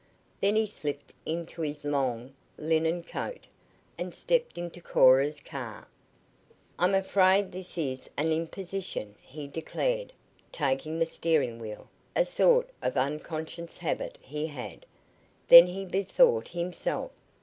Then he slipped into his long, linen coat and stepped into Cora's car. "I'm afraid this is an imposition," he declared, taking the steering wheel, a sort of unconscious habit he had. Then he bethought himself.